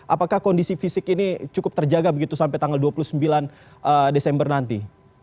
apakah kondisi fisik ini cukup terjaga begitu sampai tanggal dua puluh sembilan desember nanti